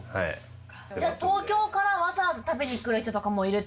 じゃあ東京からわざわざ食べに来る人とかもいるってこと？